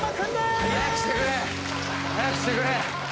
もう早くしてくれ。